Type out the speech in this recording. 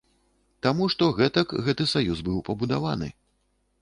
Таму што гэтак гэты саюз быў пабудаваны.